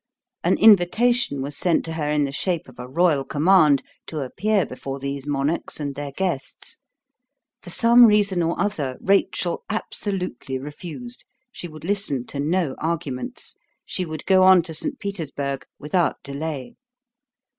An invitation was sent to her in the shape of a royal command to appear before these monarchs and their guests. For some reason or other Rachel absolutely refused. She would listen to no arguments. She would go on to St. Petersburg without delay.